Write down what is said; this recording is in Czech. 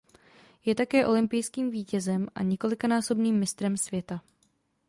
Je také olympijským vítězem a několikanásobným mistrem světa.